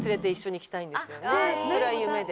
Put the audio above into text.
それは夢で。